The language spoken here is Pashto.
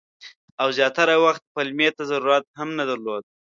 او زیاتره وخت یې پلمې ته ضرورت هم نه درلود.